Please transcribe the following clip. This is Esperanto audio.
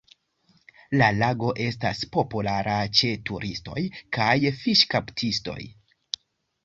La lago estas populara ĉe turistoj kaj fiŝkaptistoj.